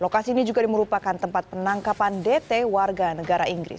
lokasi ini juga merupakan tempat penangkapan dt warga negara inggris